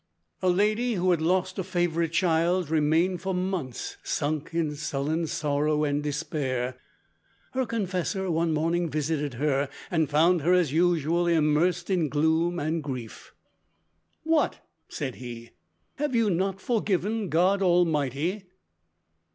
"A lady who had lost a favorite child remained for months sunk in sullen sorrow and despair. Her confessor, one morning visited her, and found her, as usual immersed in gloom and grief. 'What,' said he, 'Have you not forgiven God Almighty?'